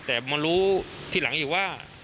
แต่มารู้ทีหลังอีกว่า